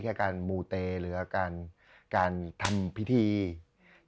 จริงแล้วเราควรทำบ่อย